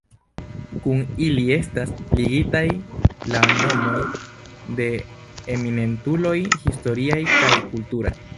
Kun ili estas ligitaj la nomoj de eminentuloj historiaj kaj kulturaj.